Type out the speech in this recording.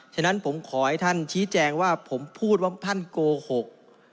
ฉะนั้นผมขอให้ท่านชี้แจงว่าผมพูดว่าท่านโกหก